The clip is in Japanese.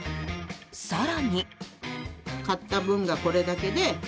更に。